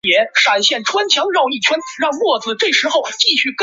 奥德莉庄园是英格兰最出色的詹姆斯一世时期建筑之一。